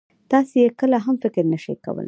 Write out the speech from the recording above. تاسې يې کله هم فکر نه شئ کولای.